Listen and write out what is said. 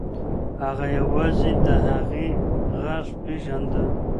هغه یوازې د هغې غږ پیژانده.